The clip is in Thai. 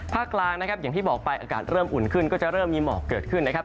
กลางนะครับอย่างที่บอกไปอากาศเริ่มอุ่นขึ้นก็จะเริ่มมีหมอกเกิดขึ้นนะครับ